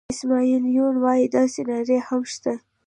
اسماعیل یون وایي داسې نارې هم شته.